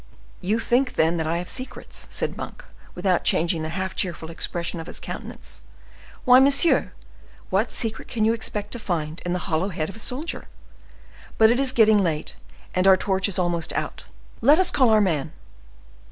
"You think, then, that I have secrets," said Monk, without changing the half cheerful expression of his countenance. "Why, monsieur, what secret can you expect to find in the hollow head of a soldier? But it is getting late, and our torch is almost out; let us call our man."